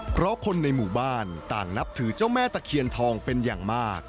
เพราะคนในหมู่บ้านต่างนับถือเจ้าแม่ตะเคียนทองเป็นอย่างมาก